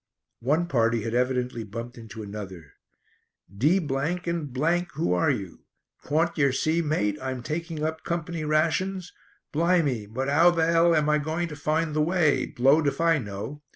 One party had evidently bumped into another. "D and who are you? Cawn't yer see, mate, I'm taking up company rations? Blimy, but 'ow the 'ell I am going to find the way blowed if I know.